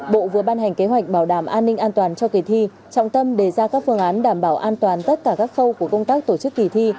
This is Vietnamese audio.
bộ vừa ban hành kế hoạch bảo đảm an ninh an toàn cho kỳ thi trọng tâm đề ra các phương án đảm bảo an toàn tất cả các khâu của công tác tổ chức kỳ thi